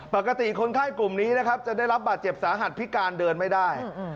คนไข้กลุ่มนี้นะครับจะได้รับบาดเจ็บสาหัสพิการเดินไม่ได้